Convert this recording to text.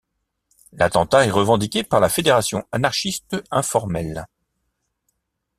L'attentat est revendiqué par la Fédération Anarchiste Informelle.